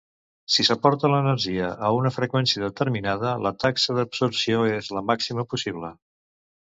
Si s'aporta l'energia a una freqüència determinada la taxa d'absorció és la màxima possible.